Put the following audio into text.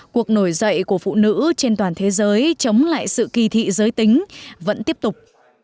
cuộc nổi dậy của phụ nữ trên toàn thế giới chống lại sự kỳ thị giới tính vẫn tiếp tục